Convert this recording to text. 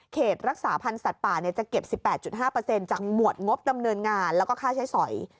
รักษาพันธ์สัตว์ป่าจะเก็บ๑๘๕จากหมวดงบดำเนินงานแล้วก็ค่าใช้สอย